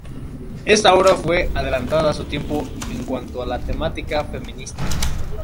Esta obra fue adelantada a su tiempo en cuanto a la temática feminista.